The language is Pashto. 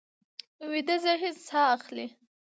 ویده ذهن ساه اخلي